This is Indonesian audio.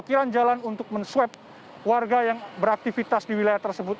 dan kemudian di jalan jalan untuk menswab warga yang beraktivitas di wilayah tersebut